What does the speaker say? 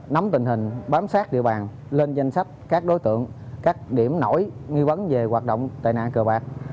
nắm tình hình bám sát địa bàn lên danh sách các đối tượng các điểm nổi nghi vấn về hoạt động tệ nạn cờ bạc